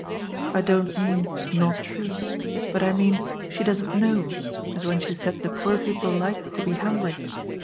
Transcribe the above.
I don't mean ' not true,' but I mean she doesn't know, as when she said the poor people liked to be hungry.